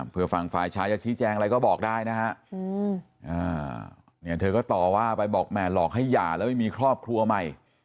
เพื่อฝั่งฝ่ายชายจะชี้แจงอะไรก็บอกได้นะฮะเนี่ยเธอก็ต่อว่าไปบอกแห่หลอกให้หย่าแล้วไม่มีครอบครัวใหม่